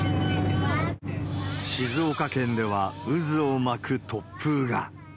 静岡県では渦を巻く突風が。